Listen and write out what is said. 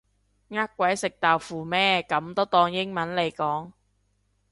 呃鬼食豆腐咩噉都當英文嚟講